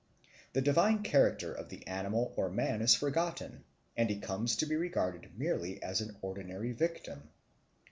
The divine character of the animal or man is forgotten, and he comes to be regarded merely as an ordinary victim.